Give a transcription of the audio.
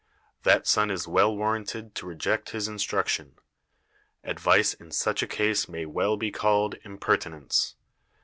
That son is well warranted to reject his instruc tion. Advice in such a case may well be called impertinence.